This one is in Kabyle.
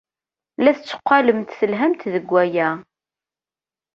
La tetteqqalemt telhamt deg waya.